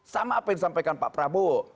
sama apa yang disampaikan pak prabowo